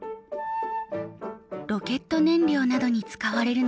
ロケット燃料などに使われるのは？